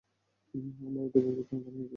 আমার হৃদয় ভেঙে খানখান হয়ে যাচ্ছে।